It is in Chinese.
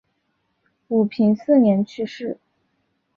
武平四年去世。